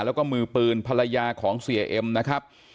แล้วก็มือปืนภรรยาของเสียเอ็มนะครับ